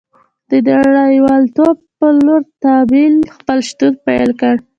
د نړیوالتوب په لور تمایل خپل شتون پیل کړی